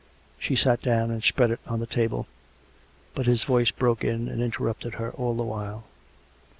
She sat down and spread it on the table. But his voice broke in and interrupted her all the while.